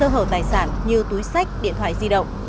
hoặc đi bộ để sơ hở tài sản như túi sách điện thoại di động